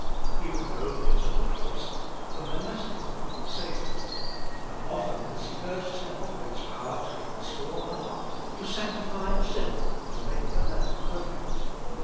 He will go into a cloister; the monastic life will save him. How often has he heard tell of its power to transform a heart, to sanctify a sinner, to make a man perfect!